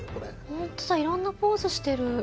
本当だいろんなポーズしてる。